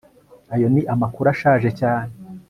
ayo ni amakuru ashaje cyane